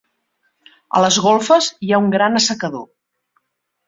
A les golfes hi ha un gran assecador.